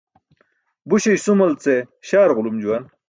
Buśe isumal ce śaar ġulum juwan.